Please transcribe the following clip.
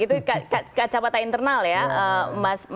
itu kacapata internal ya